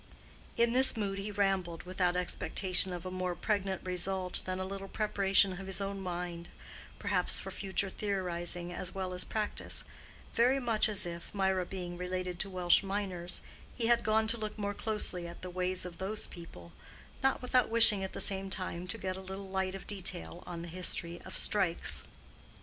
In this mood he rambled, without expectation of a more pregnant result than a little preparation of his own mind, perhaps for future theorizing as well as practice—very much as if, Mirah being related to Welsh miners, he had gone to look more closely at the ways of those people, not without wishing at the same time to get a little light of detail on the history of Strikes.